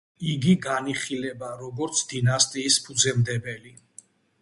იგი განიხილება, როგორც დინასტიის ფუძემდებელი.